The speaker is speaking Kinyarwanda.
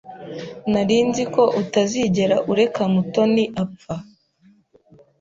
Nari nzi ko utazigera ureka Mutoni apfa.